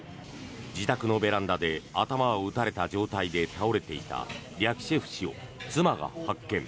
自宅のベランダで頭を撃たれた状態で倒れていたリャキシェフ氏を妻が発見。